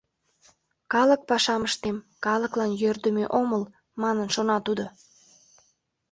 «Калык пашам ыштем, калыклан йӧрдымӧ омыл», — манын шона тудо.